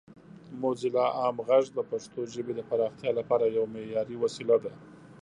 موزیلا عام غږ د پښتو ژبې د پراختیا لپاره یوه معیاري وسیله ده.